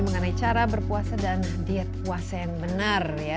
mengenai cara berpuasa dan diet puasa yang benar ya